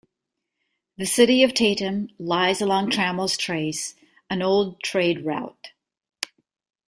The city of Tatum lies along Trammel's Trace, an old trade route.